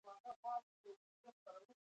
ظفرنامه د هغو افغاني قبیلو نومونه یادوي.